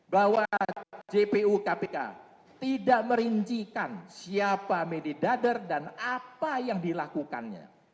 bahwa jpu kpk tidak merincikan siapa medidather dan apa yang dilakukannya